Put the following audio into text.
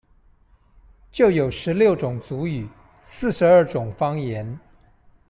就有十六種族語、四十二種方言